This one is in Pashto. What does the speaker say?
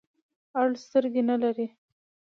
اړ سترګي نلری .